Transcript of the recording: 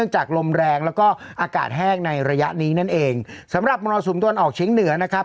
จากลมแรงแล้วก็อากาศแห้งในระยะนี้นั่นเองสำหรับมรสุมตะวันออกเฉียงเหนือนะครับ